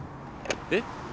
えっ？